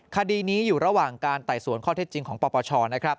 คดีนี้อยู่ระหว่างการไต่สวนข้อเท็จจริงของปปชนะครับ